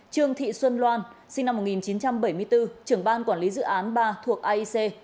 trương thị xuân loan sinh năm một nghìn chín trăm bảy mươi bốn trưởng ban quản lý dự án ba thuộc aic